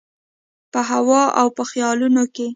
په هوا او په خیالونو کي